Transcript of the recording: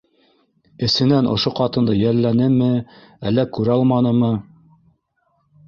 Эсенән ошо ҡатынды йәлләнеме, әллә күралманымы?